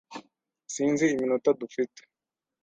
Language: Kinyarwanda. Sinzi iminota dufite.